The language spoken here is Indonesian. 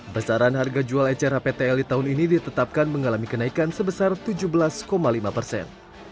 besaran harga jual ecer hptl di tahun ini ditetapkan mengalami kenaikan sebesar tujuh belas lima persen